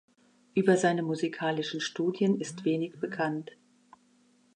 Über seine musikalischen Studien ist wenig bekannt.